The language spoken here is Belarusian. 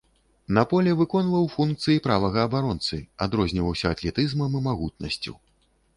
На поле выконваў функцыі правага абаронцы, адрозніваўся атлетызмам і магутнасцю.